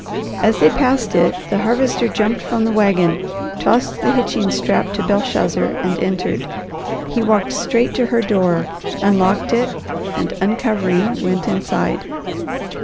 As they passed it, the Harvester jumped from the wagon, tossed the hitching strap to Belshazzar, and entered. He walked straight to her door, unlocked it, and uncovering, went inside.